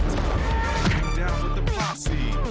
tidak dia sudah kembali